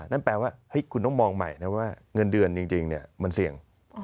นั่นแปลว่าคุณต้องมองใหม่นะว่าเงินเดือนจริงมันเสี่ยง